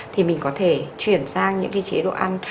thì mình có thể chuyển sang những cái chế độ ăn